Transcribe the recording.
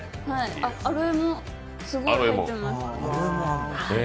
アロエもすごい入ってます。